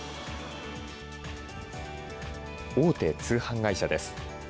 大手通販会社です。